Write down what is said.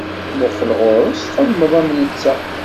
Muqel ɣur-s txedmeḍ am netta.